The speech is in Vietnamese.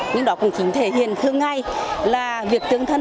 nhưng đó cũng chính thể hiện thương ngay là việc tương thân